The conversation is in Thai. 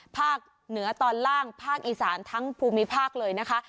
ภาคเหนือตอนล่างภาคอีสานทั้งภูมิภาคเลยนะคะ